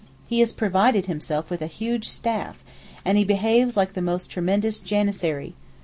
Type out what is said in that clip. He has provided himself with a huge staff, and he behaves like the most tremendous janissary.